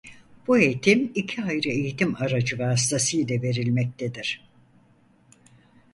Bu eğitim iki ayrı eğitim aracı vasıtasıyla verilmektedir.